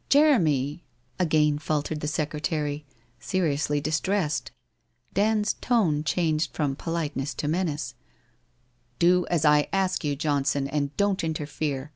* Jeremy !' again faltered the secretary, seriously dis tressed. Dand's tone changed from politeness to menace. WHITE ROSE OF WEARY LEAF 43? 'Do as I ask you, Johnson, and don't interfere.